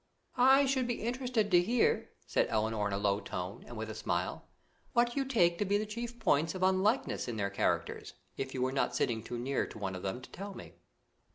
"I should be interested to hear," said Elinor in a low tone, and with a smile, "what you take to be the chief points of unlikeness in their characters, if you were not sitting too near to one of them to tell me."